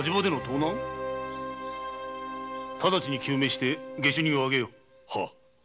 直ちに究明して下手人をあげよ。